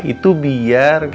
itu biar kandungan